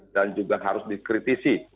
dan juga harus dikritisi